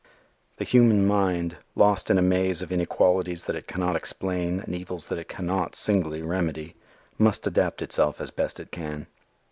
The human mind, lost in a maze of inequalities that it cannot explain and evils that it cannot, singly, remedy, must adapt itself as best it can.